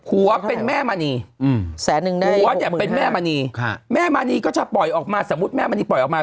หัวเป็นแม่มณีแสนนึงแน่ผัวเนี่ยเป็นแม่มณีแม่มณีก็จะปล่อยออกมาสมมุติแม่มณีปล่อยออกมา